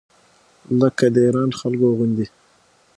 لکه د ایران خلکو غوندې.